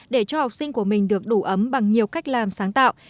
để cho học sinh của mình được đủ ấm bằng nhiều cách làm sáng tạo